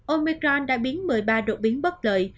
omicron đã biến một mươi ba đột biến bất lợi